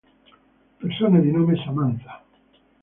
Persone di nome Samantha